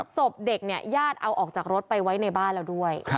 ศพเด็กเนี่ยญาติเอาออกจากรถไปไว้ในบ้านเราด้วย